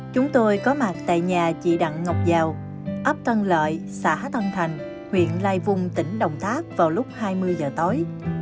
chúng tôi có mặt tại nhà chị đặng ngọc giao ấp tân lợi xã tân thành huyện lai vung tỉnh đồng tháp vào lúc hai mươi giờ tối